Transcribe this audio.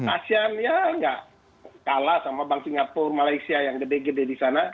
asean ya nggak kalah sama bank singapura malaysia yang gede gede di sana